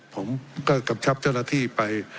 ผมก็กำชับเจ้าหน้าที่ไป